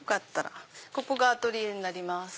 ここがアトリエになります。